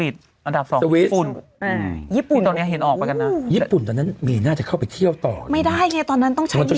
ตัวเต็มหมดเลยตัวนอกจากเต็มคือราธารณา